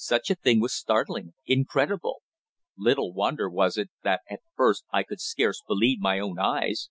Such a thing was startling, incredible! Little wonder was it that at first I could scarce believe my own eyes.